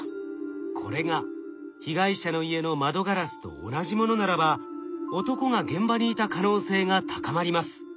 これが被害者の家の窓ガラスと同じものならば男が現場にいた可能性が高まります。